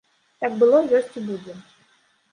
Так было, ёсць і будзе.